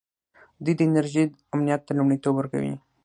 دوی د انرژۍ امنیت ته لومړیتوب ورکوي.